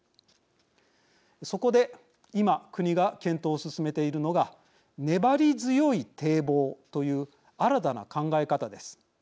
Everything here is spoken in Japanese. そこで今、国が検討を進めているのが粘り強い堤防という新たな考え方です。